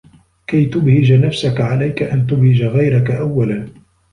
كي تبهج نفسك عليك أن تبهج غيرك أولاًً.